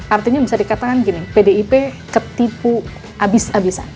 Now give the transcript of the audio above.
artinya bisa dikatakan gini pdip ketipu habis habisan